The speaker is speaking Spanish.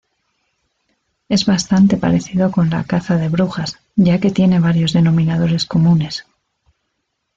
Es bastante parecido con la "caza de brujas" ya que tiene varios denominadores comunes.